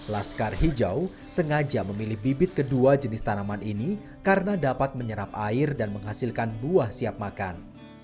laskar hijau sengaja memilih bibit kedua jenis tanaman ini karena dapat menyerap air dan menghasilkan buah siap makan